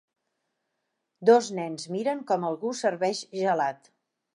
Dos nens miren com algú serveix gelat.